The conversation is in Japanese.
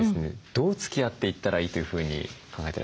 どうつきあっていったらいいというふうに考えてらっしゃいますか？